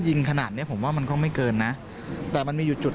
ขนาดเนี้ยผมว่ามันก็ไม่เกินนะแต่มันมีอยู่จุด